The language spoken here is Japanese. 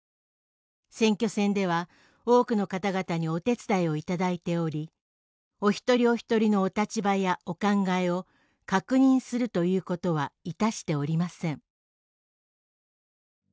選挙戦では多くの方々にお手伝いをいただいておりお一人お一人のお立場やお考えを確認するということは致しておりません」。